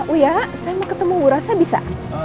uya saya mau ketemu bu rossa bisa